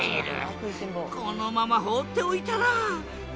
このまま放っておいたら大変だ！